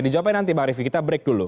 dijawabkan nanti bang rifki kita break dulu